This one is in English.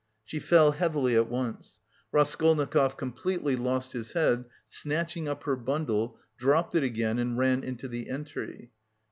She fell heavily at once. Raskolnikov completely lost his head, snatching up her bundle, dropped it again and ran into the entry.